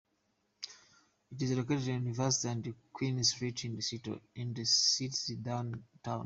It is located at University and Queen Street in the city's downtown.